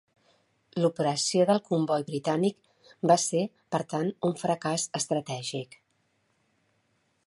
L'operació del comboi britànic va ser, per tant, un fracàs estratègic.